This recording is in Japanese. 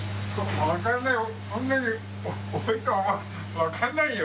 わかんないよ